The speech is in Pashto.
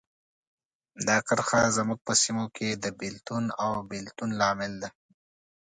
دا کرښه زموږ په سیمو کې د بېلتون او بیلتون لامل ده.